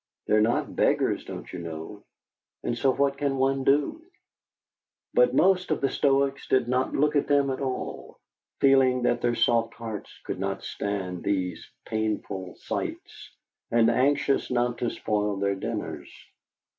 They're not beggars, don't you know, and so what can one do?" But most of the Stoics did not look at them at all, feeling that their soft hearts could not stand these painful sights, and anxious not to spoil their dinners.